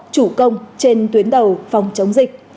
chủ công trên tuyến đầu phòng chống dịch